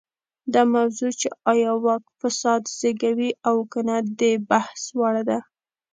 دا موضوع چې ایا واک فساد زېږوي او که نه د بحث وړ ده.